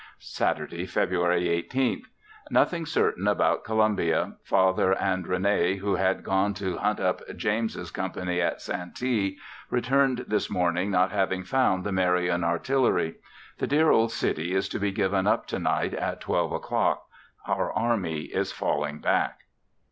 Saturday February 18th. Nothing certain about Columbia. Father and Rene who had gone to hunt up James's company at Santee, returned this morning not having found the Marion Artillery. The dear old city (is) to be given up tonight at 12:00 o'clock; our army is falling back.